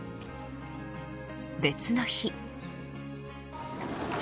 別の日。